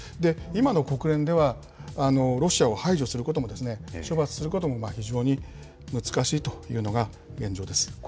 今の国連では、ロシアを排除することも、処罰することも非常に難しいというのが現状です。